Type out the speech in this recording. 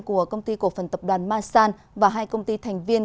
của công ty cổ phần tập đoàn masan và hai công ty thành viên